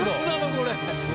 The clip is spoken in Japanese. これ！